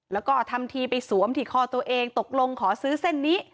แล้วก็ทำทีไปสวมที่คอตัวเองตกลงขอซื้อเส้นนี้